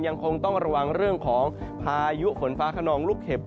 ยังคงต้องระวังเรื่องของพายุฝนฟ้าขนองลูกเห็บ